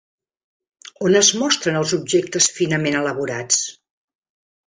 On es mostren els objectes finament elaborats?